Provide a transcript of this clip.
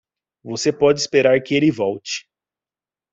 Você pode esperar que ele volte.